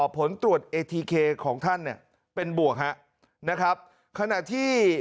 ผลตรวจเอทีเคของท่านเนี่ยเป็นบวกฮะนะครับขณะที่